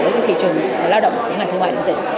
với thị trường lao động của ngành thương mại điện tử